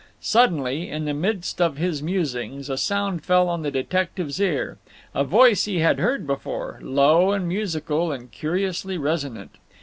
Suddenly, in the midst of his musings, a sound fell on the detective's ear; a voice he had heard before, low and musical, and curiously resonant.